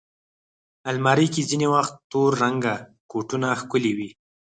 الماري کې ځینې وخت تور رنګه کوټونه ښکلي وي